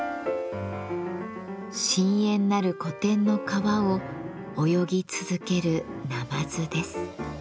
深遠なる古典の川を泳ぎ続ける鯰です。